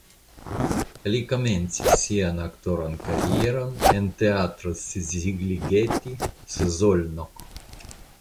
Li komencis sian aktoran karieron en Teatro Szigligeti (Szolnok).